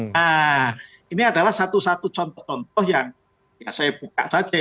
nah ini adalah satu satu contoh contoh yang ya saya buka saja